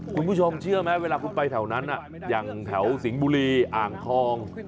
คุณผู้ชมเชื่อไหมเวลาคุณไปแถวนั้นอย่างแถวสิงห์บุรีอ่างทอง